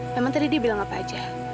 memang tadi dia bilang apa aja